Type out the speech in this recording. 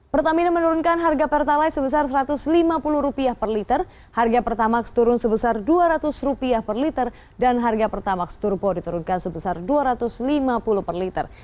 pertamina menurunkan harga pertalite sebesar rp satu ratus lima puluh per liter harga pertamax turun sebesar rp dua ratus per liter dan harga pertamax turbo diturunkan sebesar rp dua ratus lima puluh per liter